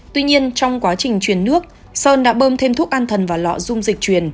tuy nhiên trong quá trình chuyển nước sơn đã bơm thêm thuốc an thần và lọ dung dịch truyền